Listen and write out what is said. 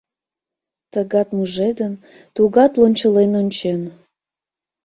Тыгат мужедын, тугат лончылен ончен.